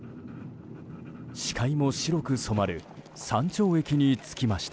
視界も白く染まる山頂駅に着きました。